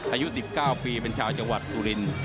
อายุ๑๙ปีเป็นชาวจังหวัดสุรินทร์